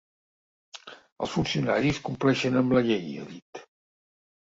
Els funcionaris compleixen amb la llei, ha dit.